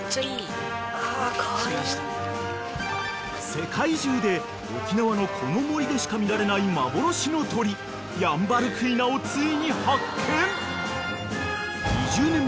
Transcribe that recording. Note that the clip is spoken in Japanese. ［世界中で沖縄のこの森でしか見られない幻の鳥ヤンバルクイナをついに発見］